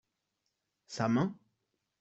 sa main.